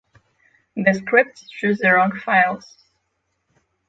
The scripts choose the wrong files